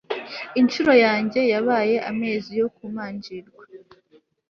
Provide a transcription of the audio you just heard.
incuro yanjye yabaye amezi yo kumanjirwa